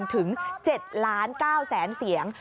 มาถึง๗๙ล้านเสียง